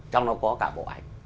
trong nó có cả bộ ảnh